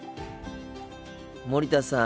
森田さん